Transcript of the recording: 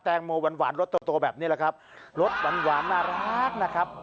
งโมหวานหวานรสโตโตแบบนี้แหละครับรสหวานหวานน่ารักนะครับ